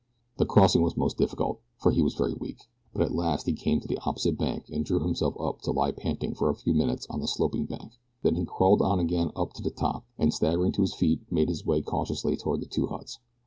The crossing was most difficult, for he was very weak, but at last he came to the opposite bank and drew himself up to lie panting for a few minutes on the sloping bank. Then he crawled on again up to the top, and staggering to his feet made his way cautiously toward the two huts.